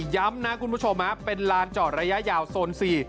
ย้ำนะคุณผู้ชมเป็นลานจอดระยะยาวโซน๔